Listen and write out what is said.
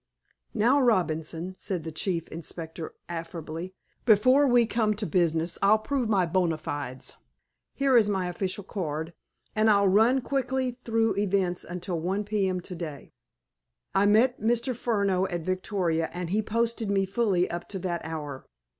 "Now, Robinson," said the Chief Inspector affably, "before we come to business I'll prove my bona fides. Here is my official card, and I'll run quickly through events until 1.30 p.m. to day. I met Mr. Furneaux at Victoria, and he posted me fully up to that hour."